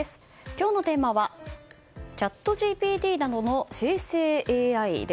今日のテーマはＣｈａｔＧＰＴなどの生成ＡＩ。